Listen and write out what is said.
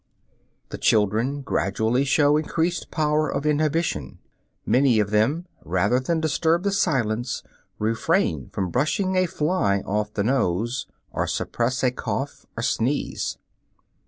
The children gradually show increased power of inhibition; many of them, rather than disturb the silence, refrain from brushing a fly off the nose, or suppress a cough or sneeze.